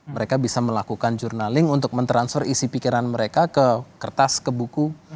mereka bisa melakukan jurnaling untuk mentransfer isi pikiran mereka ke kertas ke buku